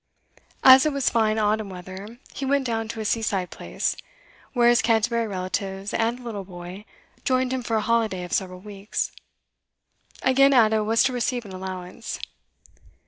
As it was fine autumn weather he went down to a seaside place, where his Canterbury relatives and the little boy joined him for a holiday of several weeks. Again Ada was to receive an allowance.